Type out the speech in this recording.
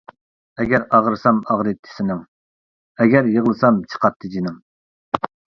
ئەگەر ئاغرىسام ئاغرىيتتى سېنىڭ، ئەگەر يىغلىسام چىقاتتى جېنىڭ.